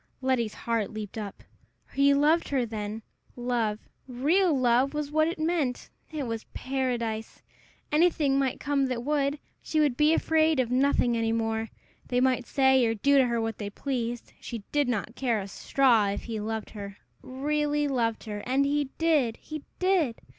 Letty's heart leaped up. He loved her, then! Love, real love, was what it meant! It was paradise! Anything might come that would! She would be afraid of nothing any more. They might say or do to her what they pleased she did not care a straw, if he loved her really loved her! And he did! he did!